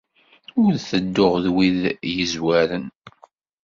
Ur tedduɣ d wid yezwaren